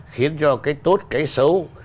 khiến cho cái tốt cái xấu